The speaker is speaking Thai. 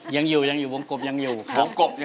ยังอยู่ยังอยู่วงกบยังอยู่วงกบ